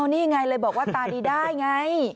นี่ไงเลยบอกว่าตาดีได้ไง